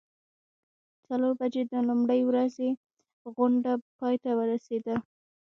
څلور بجې د لومړۍ ورځې غونډه پای ته ورسیده.